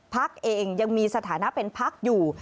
ภักดิ์เองยังมีสถานะเป็นภักดิ์อยู่